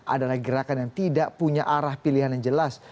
adalah gerakan yang tidak punya arah pilihan yang jelas